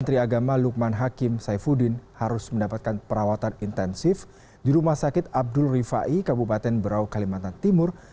menteri agama lukman hakim saifuddin harus mendapatkan perawatan intensif di rumah sakit abdul rifai kabupaten berau kalimantan timur